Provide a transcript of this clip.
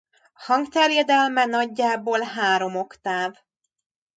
Hangterjedelme nagyjából három oktáv.